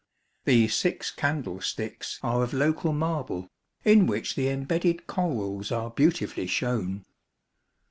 The six candlesticks are of local marble, in which the embedded corals are beautifully shown.